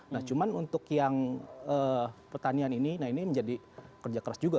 nah cuma untuk yang pertanian ini nah ini menjadi kerja keras juga